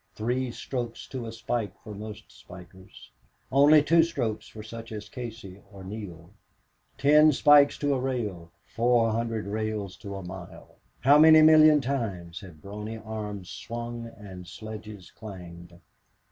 Three strokes to a spike for most spikers! Only two strokes for such as Casey or Neale! Ten spikes to a rail four hundred rails to a mile! ... How many million times had brawny arms swung and sledges clanged!